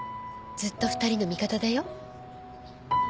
ずっと２人の味方だよ。